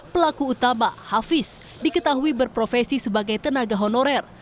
pelaku utama hafiz diketahui berprofesi sebagai tenaga honorer